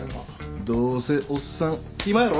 どうせおっさん暇やろ？